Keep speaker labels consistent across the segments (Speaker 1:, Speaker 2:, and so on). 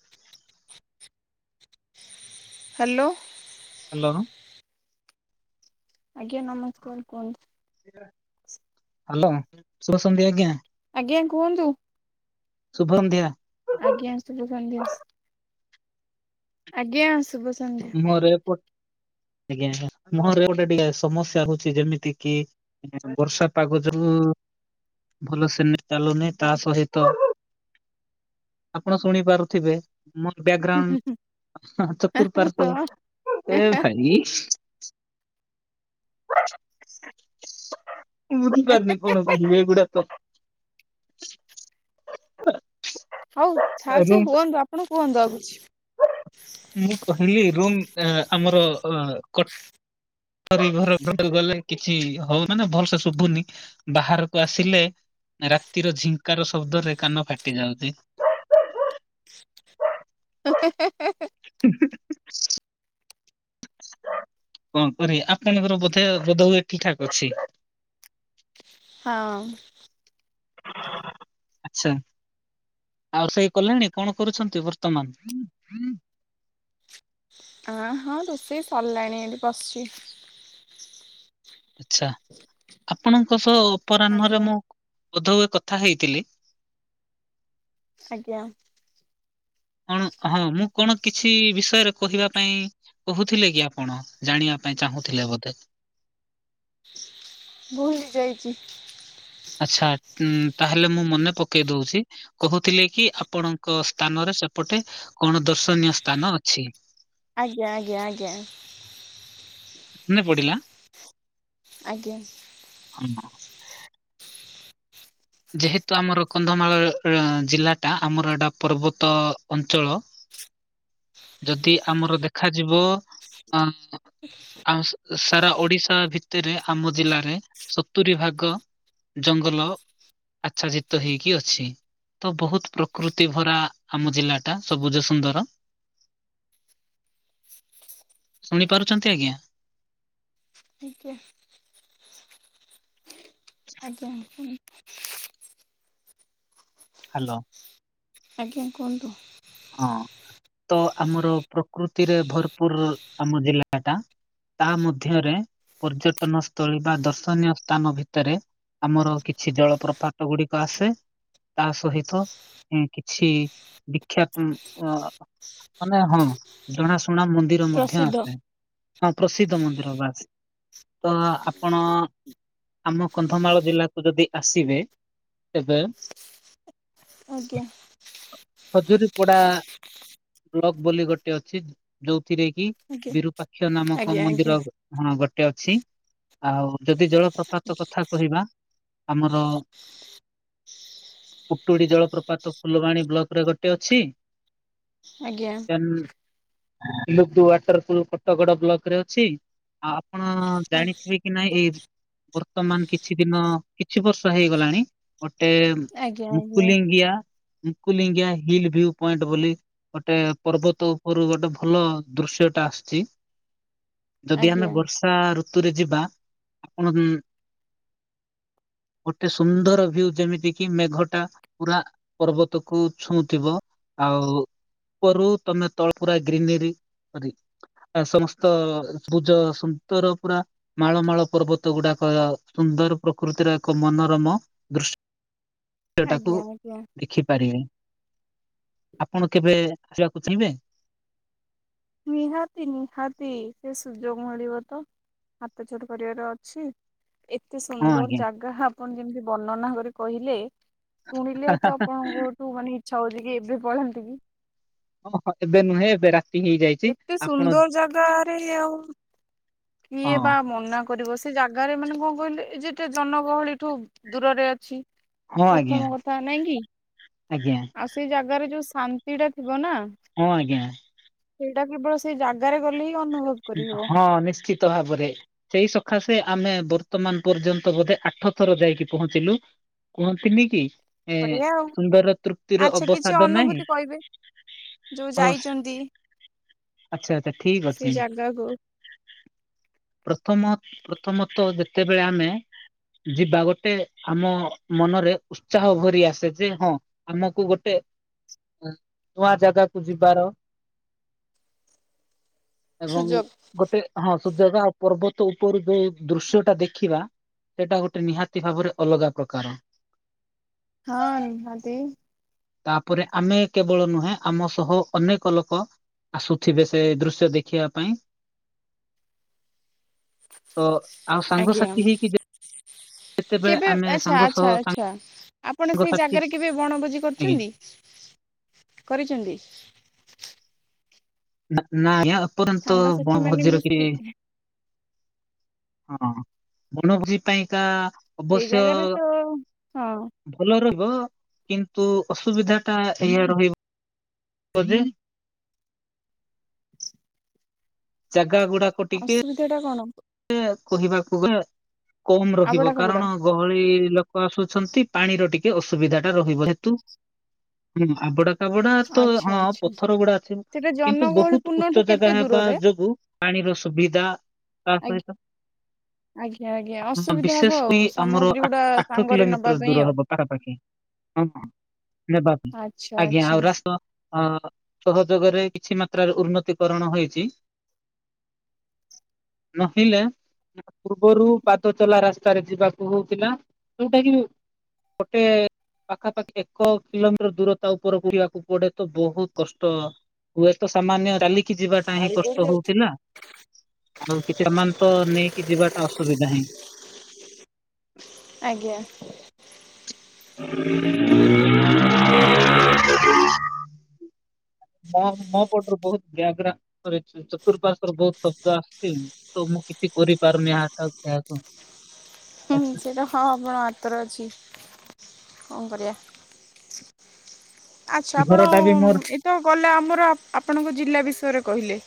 Speaker 1: [inaudible] Hello.
Speaker 2: Hello
Speaker 1: ଆଜ୍ଞା ନମସ୍କାର କୁହନ୍ତୁ।
Speaker 2: ହ୍ୟାଲୋ ଶୁଭ ସନ୍ଧ୍ୟା ଆଜ୍ଞା।
Speaker 1: ଆଜ୍ଞା କୁହନ୍ତୁ।
Speaker 2: ଶୁଭନ୍ଧ୍ୟା।
Speaker 1: ଆଜ୍ଞା ଶୁଭ ସନ୍ଧ୍ୟା। ଆଜ୍ଞା ଶୁଭ ସନ୍ଧ୍ୟା।
Speaker 2: ମୁହଁରେ ଆଜ୍ଞା ମୁହଁରେ ଗୋଟେ ଟିକେ ସମସ୍ୟା ହଉଛି। ଯେମିତି କି ବର୍ଷା ପାଗ ଯୋଉ ଭଲସେ ନେଇ ଚାଲୁନି। ତା ସହିତ ଆପଣ ଶୁଣି ପାରୁଥିବେ ମୋର ବ୍ୟାଗ୍ରାଉଣ୍ଡ ଚତୁପାର୍ ଏ ଭାଇ। ମୁଁ ବୁଝିପାରିନି କଣ? ଭିବେ ଗୁଡା ତ
Speaker 1: ହଉ ଛାଛି
Speaker 2: ରୁମ୍
Speaker 1: ହୁଅନ୍ତୁ। ଆପଣ କୁହନ୍ତୁ ଆଉ କିଛି।
Speaker 2: ମୁଁ କହିଲି ରୁମ୍ ଆମର ଅ କ ଘ ଘର ଗଲେ କିଛି ହଉ ମାନେ ଭଲସ ଶୁଭୁନି। ବାହାରକୁ ଆସିଲେ ରାତିର ଝିଙ୍କାର ଶବ୍ଦରେ କାନ ଫାଟି ଯାଉଛି।
Speaker 1: ହେ ହେ ହେ ହେ।
Speaker 2: [inaudible] କଣ କର ଆପଣଙ୍କର ବୋଧେ ବୋଧ ହୁଏ ଠିକ ଠାକ ଅଛି।
Speaker 1: ହଁ।
Speaker 2: ଆଛା ଆଉ ସେଇ କଲେଣି। କଣ କରୁଛନ୍ତି ବର୍ତ୍ତମାନ?
Speaker 1: ଅ ହଁ ରୋଷେଇ ସରିଲାଣି। ଏଠି ବସିଛି।
Speaker 2: ଆଛା ଆପଣଙ୍କ ସହ ଅପରାହ୍ନରେ
Speaker 1: ଆଜ୍ଞା
Speaker 2: ମୁଁ ବୋଧ ହୁଏ କଥା ହେଇଥିଲି।
Speaker 1: ଆଜ୍ଞା।
Speaker 2: କଣ ହଁ ମୁଁ କଣ କିଛି ବିଷୟରେ କହିବା ପାଇଁ କହୁଥିଲେ କି ଆପଣ? ଜାଣିବା ପାଇଁ ଚାହୁଁଥିଲେ ବୋଧେ?
Speaker 1: ଭୁଲି ଯାଇଛି।
Speaker 2: ଆଛା ଉ ତାହେଲେ ମୁଁ ମନେ ପକେଇ ଦଉଛି। କହୁଥିଲେ କି ଆପଣଙ୍କ ସ୍ଥାନରେ ସେପଟେ କଣ ଦର୍ଶନୀୟ ସ୍ଥାନ ଅଛି।
Speaker 1: ଆଜ୍ଞା ଆଜ୍ଞା ଆଜ୍ଞା।
Speaker 2: ମନେ ପଡିଲା।
Speaker 1: ଆଜ୍ଞା।
Speaker 2: ହଁ ହଁ। ଯେହେତୁ ଆମର କନ୍ଧମାଳ ଜିଲ୍ଲାଟା ଆମର ଏଇଟା ପର୍ବତ ଅଞ୍ଚଳ। ଯଦି ଆମର ଦେଖାଯିବ ଅ ଆଉ ସାରା ଓଡିଶା ଭିତରେ ଆମ ଜିଲ୍ଲାରେ ସତୁରି ଭାଗ ଜଙ୍ଗଲ ଆଚ୍ଛା ଯିତ ହେଇକି ଅଛି। ତ ବହୁତ ପ୍ରକୃତି ଭରା ଆମ ଜିଲ୍ଲା ଟା ସବୁଜ ସୁନ୍ଦର। ଶୁଣି ପାରୁଛନ୍ତି ଆଜ୍ଞା।
Speaker 1: ଆଜ୍ଞା। ଆଜ୍ଞା [inaudible]
Speaker 2: ହ୍ୟାଲୋ।
Speaker 1: ଆଜ୍ଞା କୁହନ୍ତୁ?
Speaker 2: ହଁ ତ ଆମର ପ୍ରକୃତିରେ ଭରପୁର ଆମ ଜିଲ୍ଲା ଟା। ତା ମଧ୍ୟରେ ପର୍ଯ୍ୟଟନ ସ୍ଥଳୀ ବା ଦର୍ଶନୀୟ ସ୍ଥାନ ଭିତରେ ଆମର କିଛି ଜଳପ୍ରପାତ ଗୁଡିକ ଆସେ ତା ସହିତ କିଛି କ୍ଷତ ମାନେ ହଁ ଜଣାଶୁଣା ମନ୍ଦିର ମଧ୍ୟ
Speaker 1: ପ୍ରସିଦ୍ଧ
Speaker 2: ଆସେ। ହଁ ପ୍ରସିଦ୍ଧ ମନ୍ଦିର ବାସ୍ ତ ଆପଣ ଆମ କନ୍ଧମାଳ ଜିଲ୍ଲାକୁ ଯଦି ଆସିବେ ତେବେ
Speaker 1: ଆଜ୍ଞା।
Speaker 2: ଖଜୁରୀ ପଡା ବ୍ଲକ ବୋଲି ଗୋଟେ ଅଛି ଯୋଉଥିରେ କି
Speaker 1: ଆଜ୍ଞା।
Speaker 2: ବିରୁପାକ୍ଷ ନାମକ
Speaker 1: ଆଜ୍ଞା ଆଜ୍ଞା
Speaker 2: ମନ୍ଦିର କଣ ଗୋଟେ ଅଛି ଆଉ ଯଦି ଜଳ ପ୍ରପାତ କଥା କହିବା ଆମର ପୁଟୁଡ଼ି ଜଳପ୍ରପାତ ଫୁଲବାଣୀ ବ୍ଲକରେ ଗୋଟେ ଅଛି।
Speaker 1: ଆଜ୍ଞା।
Speaker 2: [inaudible] ୱାଟର ପୁଲ କଟଗଡ ବ୍ଲକରେ ଅଛି। ଆଉ ଆପଣ ଜାଣିଥିବେ କି ନାଇଁ ଏଇ ବର୍ତ୍ତମାନ କିଛି ଦିନ କିଛି ବର୍ଷ ହେଇଗଲାଣି। ଗୋଟେ
Speaker 1: ଆଜ୍ଞା
Speaker 2: Mukulingia Mukulingia hill view point ବୋଲି ଗୋଟେ ପର୍ବତ ଉପରୁ ଗୋଟେ ଭଲ ଦୃଶ୍ୟ ଟା ଆସିଛି। ଯଦି ଆମେ
Speaker 1: ଆଜ୍ଞା। ଆଜ୍ଞା
Speaker 2: ବର୍ଷା ଋତୁରେ ଯିବା ଆପଣ ଗୋଟେ ସୁନ୍ଦର ଭିୟୁ ଯେମିତି କିି ମେଘଟା ପୁରା ପର୍ବତ ତକୁ ଛୁଁଥିବ ଆଉ ଉପରୁ ତମେ ତଳ ପୁରା ଗ୍ରୀିନେରୀ ଗ୍ରି ଆ ସମସ୍ତ ଭୁଜ ସୁନ୍ଦର ପୁରା ମାଳ ମାଳ ପର୍ବତ ଗୁଡାକ ସୁନ୍ଦର ପ୍ରକୃତିର ଏକ ମନୋରମ ଦୃଶ୍ୟ। ସେଟାକୁ
Speaker 1: ଆଜ୍ଞା ଆଜ୍ଞା
Speaker 2: ଦେଖିପାରିବେ ଆପଣ କେବେ ଆସିବାକୁ ଚିହିଁବେ?
Speaker 1: ନିହାତି ନିହାତି ସେ ସୁଯୋଗ ମିଳିବ ତ। ହାତ ଛୋଡ଼ କରିବାର ଅଛି। ଏତେ
Speaker 2: ହଁ
Speaker 1: ସୁନ୍ଦର
Speaker 2: ଆଜ୍ଞା
Speaker 1: ଜାଗା ଆପଣ ଯେମିତି ବର୍ଣ୍ଣନା କରି କହିଲେ। ଶୁଣିଲେ ତ ଆପଣଙ୍କଠୁ ମାନେ ଇଚ୍ଛା ହଉଛି କି ଏବେ ପଳାନ୍ତି କି।
Speaker 2: ଓହୋ ଏବେ ନୁହେଁ ଏବେ ରା
Speaker 1: ଏତେ ସୁନ୍ଦର ଜାଗାରେ ଆଉ କିଏ
Speaker 2: ହଁ
Speaker 1: ବା ମନା କରିବ ସେ ସେ ଜାଗାରେ ମାନେ କଣ କହିଲେ ଏ ଯେତେ ଜନଗହଳି ଠୁ ଦୂରରେ ଅଛି।
Speaker 2: ହଁ ଆଜ୍ଞା
Speaker 1: ପ୍ରଥମ କଥା ନାଇଁ କି
Speaker 2: ଆଜ୍ଞା।
Speaker 1: ଆଉ ସେଇ ଜାଗାରେ ଯୋଉ ଶାନ୍ତି ଟା ଥିବ ନା?
Speaker 2: ହଁ ଆଜ୍ଞା।
Speaker 1: ସେଇଟା କେବଳ ସେଇ ଜାଗାରେ ଗଲେ ହିଁ ଅନୁଭବ କରିହବ।
Speaker 2: ହଁ ନିଶ୍ଚିତ୍। ତ ଭାବରେ। ସେଇ ସକାଶେ ଆମେ ବର୍ତ୍ତମାନ ପର୍ଯ୍ୟନ୍ତ ବୋଧେ ଆଠ ଥର ଯାଇକି ପହଞ୍ଚିଲୁ। କୁହନ୍ତିନିକି ଏ
Speaker 1: ବଢିଆ ଆଉ
Speaker 2: ସୁନ୍ଦର ତୃପ୍ତିର
Speaker 1: ଆଚ୍ଛା କିଛି
Speaker 2: ଅବସାଦ ନାହିଁ।
Speaker 1: ଅନୁଭୂତି କହିବେ ଯୋଉ
Speaker 2: ଓ
Speaker 1: ଯାଇଛନ୍ତି।
Speaker 2: ଆଚ୍ଛା ଆଚ୍ଛା ଠିକ୍
Speaker 1: ସେ
Speaker 2: ଅଛି।
Speaker 1: ଜାଗାକୁ।
Speaker 2: ପ୍ରଥମ ପ୍ରଥମତଃ ଯେତେବେଳେ ଆମେ ଯିବା ଗୋଟେ ଆମ ମନରେ ଉ ଉତ୍ସାହ ଭରି ଆସେ ଯେ ହଁ ଆମକୁ ଗୋଟେ ନୂଆ ଜାଗାକୁୁ ଯିବାର ଏବଂ
Speaker 1: ସୁଯୋଗ।
Speaker 2: ଗୋଟେ ହଁ ସୁଯୋଗ ଆ ପର୍ବତ ଉପରୁ ଯୋଉ ଦୃଶ୍ୟ ଟା ଦେଖିବା। ସେଟା ଗୋଟେ ନିହାତି ଭାବରେ ଅଲଗା ପ୍ରକାର।
Speaker 1: ହଁ ରୁହନ୍ତି।
Speaker 2: ତାପରେ ଆମେ କେବଳ ନୁହେଁ ଆମ ସହ ଅନେକ ଲୋକ ଆସୁଥିବେ ସେ ଦୃଶ୍ୟ ଦେଖିବା ପାଇଁ। ତ ଆଉ
Speaker 1: ଆଜ୍ଞା।
Speaker 2: ସାଙ୍ଗସାଥି ହେଇକି ଯ
Speaker 1: କେବେ ଆଛା
Speaker 2: ସହ
Speaker 1: ଆଛା ଆଛା। ଆପଣ ସେଇ
Speaker 2: ସାଙ୍ଗସାଥି
Speaker 1: ଜାଗାରେ କେବେ ବଣଭୋଜି
Speaker 2: ଆଜ୍ଞା
Speaker 1: କରିଛନ୍ତି କରିଛନ୍ତି।
Speaker 2: ନା ନା ଏପର୍ନ୍ତ
Speaker 1: ସାଙ୍ଗସାଥି
Speaker 2: ବନ
Speaker 1: ମାନେ
Speaker 2: ଭୋଜିର କି
Speaker 1: ମିଶି
Speaker 2: ବନ ଭୋଜି ପାଇଁକା
Speaker 1: ସେଇ
Speaker 2: ଅବଶ୍ୟ
Speaker 1: ଜାଗାରେ ତ ହଁ
Speaker 2: ଭଲ ରହିବ କିନ୍ତୁ ଅସୁବିଧା ଟା ଏଇଆ ରହିବ ବଧେ ଜାଗା ଗୁଡା
Speaker 1: ଅସୁବିଧା ଟା କଣ।
Speaker 2: ଏ କହିବାକୁ ଗଲେ କମ
Speaker 1: ଆବଡା
Speaker 2: ରହିବ
Speaker 1: ଖବଡା
Speaker 2: କାରଣ ଗ ଭଳି ଲୋକ ଆସୁଛନ୍ତି ପାଣିର ଟିକେ ଅସୁବିଧା ଟା ରହିବ ହେତୁ ହୁଁ ଆବଡ ଖାବଡା ତ
Speaker 1: ଆଚ୍ଛା
Speaker 2: ହଁ
Speaker 1: ଆଚ୍ଛା
Speaker 2: ପଥର ଗୁଡା ଅଛି
Speaker 1: ସେଟା
Speaker 2: କିନ୍ତୁ
Speaker 1: ଜନଗହଳି
Speaker 2: ବହୁତ
Speaker 1: ପୂର୍ଣ୍ଣଠୁ
Speaker 2: ଉଚ୍ଚ ଜାଗା
Speaker 1: କେତେ
Speaker 2: ହେବା
Speaker 1: ଦୂରରେ?
Speaker 2: ଯୋଗୁ ପାଣିର ସୁବିଧା ତା
Speaker 1: ଆଜ୍ଞା
Speaker 2: ସହିତ
Speaker 1: ଆଜ୍ଞା ଆଜ୍ଞା
Speaker 2: ହଁ
Speaker 1: ଅସୁବିଧା ହବ
Speaker 2: ବିଶେଷ
Speaker 1: ଆଉ
Speaker 2: କରି ଆମର
Speaker 1: ସାମଗ୍ରୀ
Speaker 2: ଆ
Speaker 1: ଗୁଡା
Speaker 2: ଆଠ
Speaker 1: ସାଙ୍ଗରେ ନବା
Speaker 2: କିଲୋମିଟର
Speaker 1: ପାଇଁ
Speaker 2: ଦୂର
Speaker 1: ଆଉ।
Speaker 2: ହବ ପାରାପାଖି। ହଁ ବା ନେବାକୁ
Speaker 1: ଆଚ୍ଛା
Speaker 2: ଆଜ୍ଞା
Speaker 1: ଆଚ୍ଛା
Speaker 2: ଆଉ ରାସ ଅ ସହଯୋଗରେ କିଛି ମାତ୍ରାରେ ଉନ୍ନତିକରଣ ହୋଇଚି। ନହିଲେ ପୂର୍ବରୁ ପାଦ ଚଲା ରାସ୍ତାରେ ଯିବାକୁ ହଉଥିଲା ଯୋଉଟା କି ଗୋଟେ ପାଖାପାଖି ଏକ କିଲୋମିଟର ଦୂରତା ଉପରକୁ ଯିବାକୁ ପଡେ ତ ବହୁତ କଷ୍ଟ ହୁଏ ତ ସାମାନ୍ୟ ଚାଲିକି ଯିବାଟା ହିଁ କଷ୍ଟ ହଉଥିଲା। ଆଉ କିଛି ଏ ମାନେ ତ ନେଇକି ଯିବାଟା ଅସୁବିଧା ହିଁ।
Speaker 1: ଆଜ୍ଞା।
Speaker 2: [inaudible] ମ ମୋ ପଟରେ ବହୁତ ବ୍ୟାଗ୍ରେ କରିଚି ଚତୁଃପାର୍ଶ୍ଵରେ ବହୁତ ଶବ୍ଦ ଆସିୁଚି ତ ମୁଁ କିଛି କରିପାରୁନି ଆ ତା କାହାକୁ
Speaker 1: ହୁଁ ସେଟା ହଁ ବା ଆପ ତର ଅଛି କଣ କରିବା। ଆଛା ଆପଣ
Speaker 2: ଘରଟା ବି ମୋର
Speaker 1: ଏତ ଗଲେ ଆମର ଆପଣଙ୍କ ଜିଲ୍ଲା ବିଷୟରେ କହିଲେ।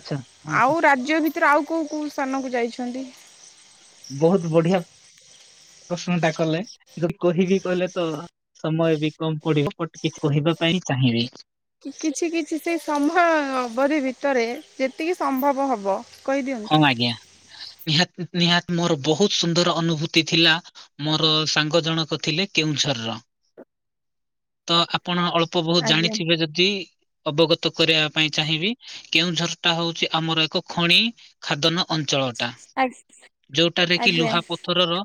Speaker 2: ଆଚ୍ଛା ହଁ ହଁ
Speaker 1: ଆଉ ରାଜ୍ୟ ଭିତରେ ଆଉ କୋଉ କୋଉ ସ୍ଥାନକୁ ଯାଇଛନ୍ତି।
Speaker 2: ବହୁତ ବଢିଆ ପ୍ରଶ୍ନ ଟା କଲେ କି କହିିବି କହିଲେ ତ ସମୟ ବି କମ ପଡିବ ବଟ କିଛି କହିବା ପାଇଁ ଚାହିଁବି।
Speaker 1: କିଛି କିଛି ସେଇ ସମୟ ଅବଧି ଭିତରେ ଯେତିକି ସମ୍ଭବ ହବ କହିଦିଅ।
Speaker 2: ହଁ ଆଜ୍ଞା ନିହାତ୍ ନିହାତ୍ ମୋର ବହୁତ ସୁନ୍ଦର ଅନୁଭୂତି ଥିଲା। ମୋର ସାଙ୍ଗ ଜଣକ ଥିଲେ କେଉଁଝରର ତ ଆପଣ ଅଳ୍ପ ପ ବହୁତ
Speaker 1: ଆଜ୍ଞା
Speaker 2: ଜାଣିଥିବେ ଯଦି ଅବଗତ କରେଇବା ପାଇଁ ଚାହିଁବି କେଉଁଝର ଟା ହଉଛି ଆମର ଏକ ଖଣି ଖାଦନ ଅଞ୍ଚଳ। ଟା
Speaker 1: ଆ
Speaker 2: ଯୋଉଟାରେ କି
Speaker 1: ଆଜ୍ଞା
Speaker 2: ଲୁହା ପଥରର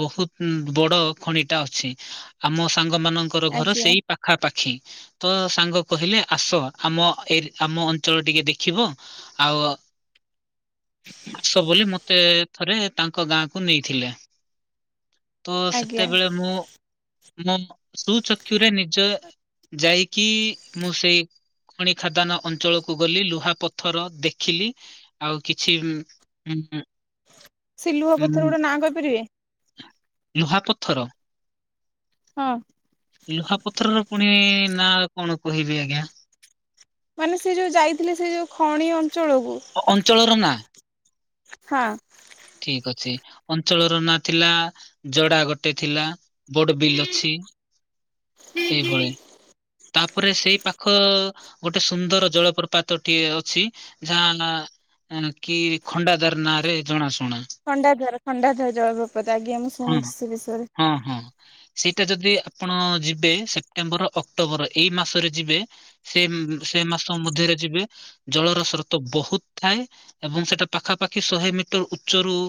Speaker 2: ବହୁତ ବଡ ଖଣି ଟା ଅଛି ଆମ ସାଙ୍ଗ ମାନଙ୍କର ଘର
Speaker 1: ଆଜ୍ଞା।
Speaker 2: ସେଇ ପା ପାଖାପାଖି। ତ ସାଙ୍ଗ କହିଲେ ଆସ ଆମ ଏ ଆମ ଅଞ୍ଚଳ ଟିକେ ଦେଖିବ ଆଉ ଆସ ବୋଲି ମତେ ଥରେ ତାଙ୍କ ଗାଁକୁ ନେଇଥିଲେ। ତ
Speaker 1: ଆଜ୍ଞା
Speaker 2: ସେତେବେଳେ ମୁଁ ମୁଁ ଶୁଣୁଚ ଚକ୍ଷୁରେ ନିଜ ଯାଇ କି ମୁଁ ସେଇ ଖଣି ଖାଦାନ ଅଞ୍ଚଳକୁ ଗଲି ଲୁହା ପଥର ଦେଖିଲି। ଆଉ କିଛି ଉଁ ହୁଁ।
Speaker 1: ସେ ଲୁହ ପଥର ଗୁଡା ନାଁ କହିପାରିବେ।
Speaker 2: ଲୁହାପଥର।
Speaker 1: ହଁ।
Speaker 2: ଲୁହାପଥରର ପୁଣି ନା କଣ କହିବି ଆଜ୍ଞା।
Speaker 1: ମାନେ ସେ ଯୋଉ ଯାଇଥିଲେ ସେ ଯୋଉ ଖଣି ଅଞ୍ଚଳକୁ।
Speaker 2: ଅଞ୍ଚଳର ନା।
Speaker 1: ହଁ।
Speaker 2: ଠିକ୍ ଅଛି ଅଞ୍ଚଳର ନାଁ ଥିଲା ଜଡା ଗୋଟେ ଥିଲା। ବୋଡ ବିଲ୍ ଅଛି। ଏଇଭଳି
Speaker 1: [inaudible]
Speaker 2: ତାପରେ ସେଇ ପାଖ ଗୋଟେ ସୁନ୍ଦର ଜଳପ୍ରପାତଟିଏ ଅଛି। ଗାଁ ନାଁ କି ଖଣ୍ଡାଧାର ନାଁ ରେ ଜଣାସୁ
Speaker 1: ଖଣ୍ଡାଧାର ଖଣ୍ଡାଧାର ଜଳପ୍ରପାତ ଆଜ୍ଞା ମୁଁ
Speaker 2: ହଁ
Speaker 1: ଶୁଣିଛି ସେ ବିଷୟରେ।
Speaker 2: ହଁ ହଁ। ସେଇଟା ଯଦି ଆପଣ ଯିବେ ସେପ୍ଟେମ୍ବର, ଅକ୍ଟୋବର ଏଇ ମାସରେ ଯିବେ। ସେ ସେ ମାସ ମଧ୍ୟରେ ଯିବେ। ଜଳର ସ୍ରୋତ ବହୁତ୍ ଥାଏ, ଏବଂ ସେଟା ପାଖାପାଖି ଶହେ ମିଟର ଉ ଚରୁୁ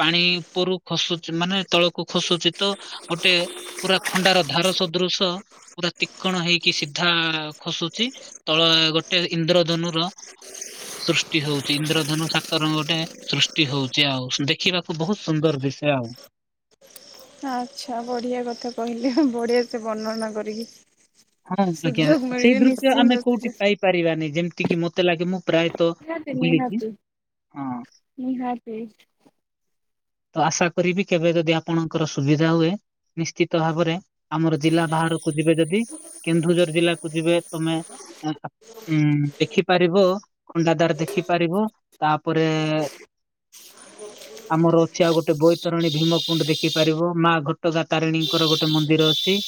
Speaker 2: ପାଣି ଉପରୁ ଖସୁଚି ମାନେ ତଳକୁ ଖସୁଚି ତ ଗୋଟେ ପୁରା ଖଣ୍ଡାର ଧାର ସଦୃଶ ପୁରା ତିଖଣ ହେଇକି ସିଧା ଖସୁଚି। ତଳ ଗୋଟେ ଇନ୍ଦ୍ରଧନୁର ସୃଷ୍ଟି ହଉଚି ଇନ୍ଦ୍ରଧନୁ ସାତ ରଙ୍ଗ ଟେ ସୃଷ୍ଟି ହଉଚି ଆଉ ଦେଖିବାକୁ ବହୁତ ସୁନ୍ଦର ଦିଶେ ଆଉ।
Speaker 1: ଆଚ୍ଛା ବଢିଆ କଥା କହିଲେ ବଢିଆ ସେ ବର୍ଣ୍ଣନା କରିକି।
Speaker 2: ହଁ ଆଜ୍ଞା
Speaker 1: ସୁଯୋଗ ମିଳିବେ
Speaker 2: ସେଇ ଦୃଶ୍ୟ ଆମେ
Speaker 1: ନିଶ୍ଚିନ୍ତ
Speaker 2: କୋଉଠି
Speaker 1: ସୁଯୋଗ
Speaker 2: ପାଇପାରିବାନି ଯେମ୍ତି କିି ମତେ ଲାଗେ ମୁଁ ପ୍ରାୟ
Speaker 1: ନିହାତି ନିହାତି ନିହାତି।
Speaker 2: ତ ଆଶା କରିବି କେବେ ଯଦି ଆପଣଙ୍କର ସୁବିଧା ହୁଏ ନିଶ୍ଚିତ ଭାବରେ ଆମର ଜିଲ୍ଲା ବାହାର କୁ ଯିବେ ଯଦି କେନ୍ଦୁଝର ଜିଲ୍ଲାକୁ ଯିବେ ତମେ ଉଁ ଦେଖିପାରିବ ଖଣ୍ଡାଧାର ଦେଖିପାରିବ। ତାପରେ ଆମର ଚି ଆଉ ଗୋଟେ ବୈତରଣୀ ଭୀମକୁଣ୍ଡ୍ ଦେଖିପାରିବ ମା ଘଟଗାଁ ତାରିଣୀଙ୍କର ଗୋଟେ ମନ୍ଦିର ଅଛି।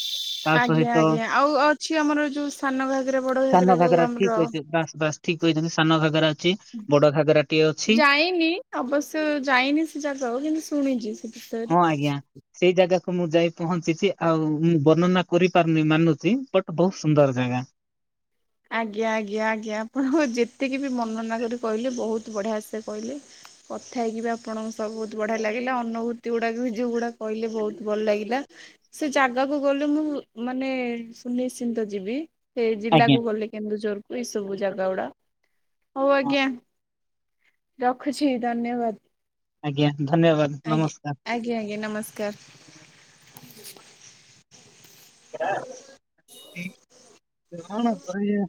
Speaker 2: ତା
Speaker 1: ଆଜ୍ଞା
Speaker 2: ସହିତ
Speaker 1: ଆଜ୍ଞା ଆଉ ଅଛି ଆମର ଯୋଉ ସାନଘାଗେରା
Speaker 2: ସାନ
Speaker 1: ବଡଘାଗେରା ଯୋଉ
Speaker 2: ଘାଗରା ଠିକ
Speaker 1: ଆମର
Speaker 2: କହିଛି ବାସ୍ ବାସ୍ ଠିକ୍ କହିଛନ୍ତି ସାନଘାଗେରା ଅଛି ବଡଘାଗେରା ଟିଏ ଅଛି।
Speaker 1: ହେଇନି। ଅବଶ୍ୟ ଯାଇନି ସେ ଜାଗାକୁ କିନ୍ତୁ ଶୁଣିଚି ସେ ବିଷୟରେ।
Speaker 2: ହଁ ଆଜ୍ଞା। ସେଇ ଜାଗାକୁ ମୁଁ ଯାଇ ପହଞ୍ଚିଚି ଆଉ ମୁଁ ବର୍ଣ୍ଣନା କରିପାରୁନି ମାନୁଚି ବଟ୍ ବହୁତ ସୁନ୍ଦର ଜାଗା।
Speaker 1: ଆଜ୍ଞା ଆଜ୍ଞା ଆଜ୍ଞା ଆପଣଙ୍କୁ ଯେତିକି ବି ବର୍ଣ୍ଣନା କରି କହିଲେ ବହୁତ ବଢିଆ ସେ କହିଲେ। କଥା ହେଇକି ବି ଆପଣଙ୍କ ସ ବହୁତ ବଢିଆ ଲାଗିଲା ଅନୁଭୂତି ଗୁଡାକ ବି ଯୋଉଗୁଡା କହିଲେ ବହୁତ ଭଲ ଲାଗିଲା। ସେ ଜାଗାକୁ ଗଲେ ମୁଁ ମାନେ ସୁନିଶ୍ଚିନ୍ତ ଯିବି ସେ ଜିଲ୍ଲା
Speaker 2: ଆଜ୍ଞା
Speaker 1: ଦୁ ଲେ କେନ୍ଦୁଝରକୁ ଏଇ ସବୁ ଜାଗା ଗୁଡା ହଉ
Speaker 2: ହଁ
Speaker 1: ଆଜ୍ଞା ରଖୁଛି ଧନ୍ୟବାଦ।
Speaker 2: ଆଜ୍ଞା ଧନ୍ୟବାଦ୍।
Speaker 1: ଆଜ୍ଞ୍ ଆଜ୍ଞା ଆଜ୍ଞା ନମସ୍କାର୍।
Speaker 2: ରା କଣ କହିବା।